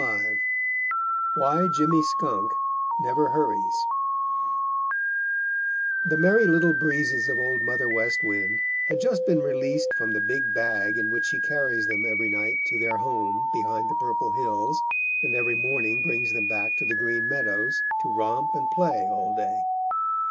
V WHY JIMMY SKUNK NEVER HURRIES The Merry Little Breezes of Old Mother West Wind had just been released from the big bag in which she carries them every night to their home behind the Purple Hills and every morning brings them back to the Green Meadows to romp and play all day.